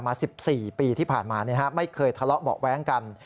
๑๔ปีที่ผ่านมาไม่เคยทะเลาะเบาะแว้งกัน